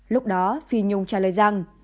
lúc đó phi nhung trả lời rằng